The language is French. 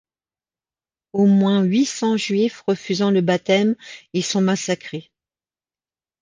Au moins huit-cents juifs refusant le baptême y sont massacrés.